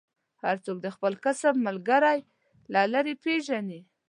هر څوک د خپل کسب ملګری له لرې پېژني.